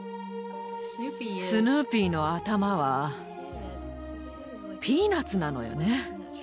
スヌーピーの頭はピーナツなのよね。